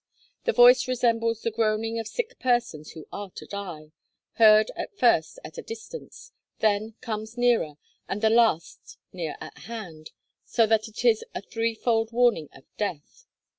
The voice resembles the groaning of sick persons who are to die; heard at first at a distance, then comes nearer, and the last near at hand; so that it is a threefold warning of death.